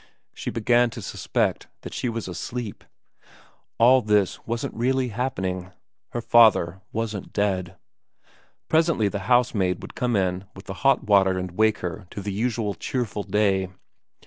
She began to suspect that she was asleep. All this wasn't really happening. Her father wasn't dead. Presently the housemaid would come in with the hot water and wake her to the usual cheerful day.